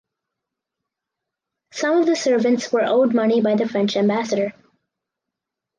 Some of the servants were owed money by the French ambassador.